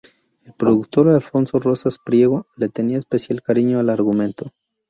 El productor, Alfonso Rosas Priego, le tenía especial cariño al argumento.